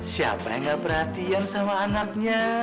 siapa yang gak perhatian sama anaknya